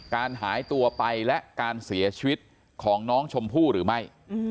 การหายตัวไปและการเสียชีวิตของน้องชมพู่หรือไม่